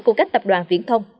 của các tập đoàn